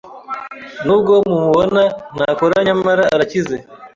Nubwo mumubona Ntakora nyamara arakize.